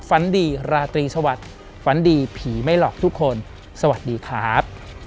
ฝันดีราตรีสวัสดิ์ฝันดีผีไม่หลอกทุกคนสวัสดีครับ